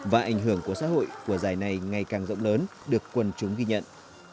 và ảnh hưởng của xã hội của giải này ngày càng rộng lớn được quần chúng ghi nhận